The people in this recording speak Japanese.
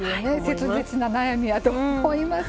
切実な悩みやと思います。